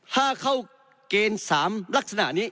ถ้าเข้าเกณฑ์๓ลักษณะนี้